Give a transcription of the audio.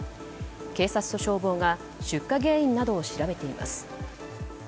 警察と消防が出火原因などを調べています。